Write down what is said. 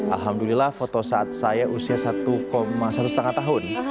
alhamdulillah foto saat saya usia satu satu lima tahun